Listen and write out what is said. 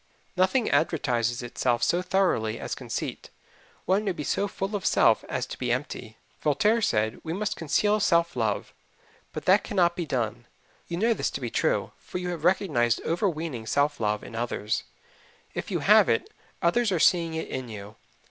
Nothing advertises itself so thoroughly as conceit. One may be so full of self as to be empty. Voltaire said, "We must conceal self love." But that can not be done. You know this to be true, for you have recognized overweening self love in others. If you have it, others are seeing it in you.